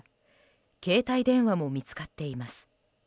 携帯電話も見つかっています。